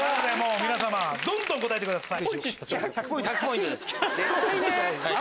皆さまどんどん答えてください。